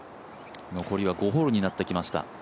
残りは５ホールになってきました。